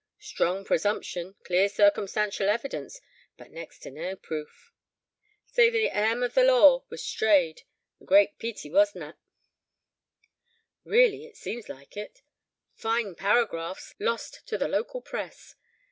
Strong presumption, clear circumstantial evidence, but next to nae proof. Sae the airm of the law was stayed—a great peety, wasna it?" "Really, it seems like it. Fine paragraphs, lost to the local press.